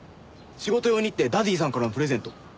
仕事用にってダディさんからのプレゼント。